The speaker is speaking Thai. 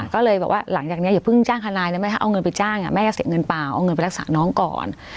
ก็เลยบอกว่าหลังจากนี้อย่าเพิ่งจ้างทนายแล้วแม่ถ้าเอาเงินไปจ้างแม่จะเสียเงินเปล่าเอาเงินไปรักษาน้องก่อน